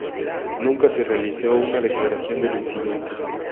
Nunca se realizó una declaración del incidente.